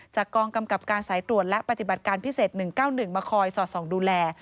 กองกำกับการสายตรวจและปฏิบัติการพิเศษ๑๙๑มาคอยสอดส่องดูแล